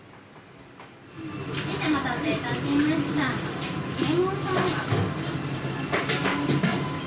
お待たせいたしました。